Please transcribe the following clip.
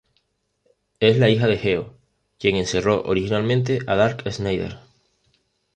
Es la hija de Geo, quien encerró originalmente a Dark Schneider.